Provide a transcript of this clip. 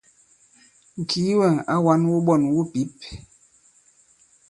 Ŋ̀kìi wɛ̂ŋ à wa᷇n wuɓɔn wu pǐp.